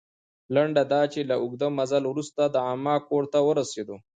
لنډه دا چې، له اوږده مزل وروسته د عمه کور ته ورسېدو.